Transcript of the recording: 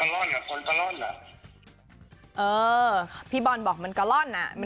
เขาก็บอกว่าการที่คุณจะมีตัวไม่ใช่คุณทำวิธีนี้